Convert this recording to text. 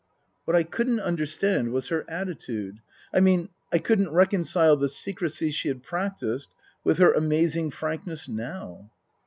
What I couldn't understand was her attitude. I mean I couldn't reconcile the secrecy she had practised with her amazing frankness now.